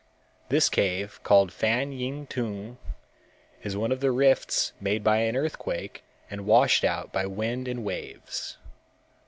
This cave, called Fan Yin Tung, is one of the rifts made by an earthquake and washed out by wind and waves.